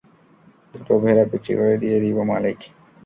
দুটো ভেড়া বিক্রি করে দিয়ে দিব মালিক।